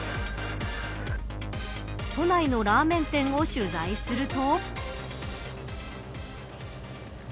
都内のラーメン店を取材すると。